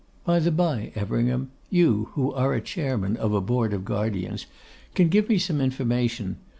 By the bye, Everingham, you, who are a Chairman of a Board of Guardians, can give me some information.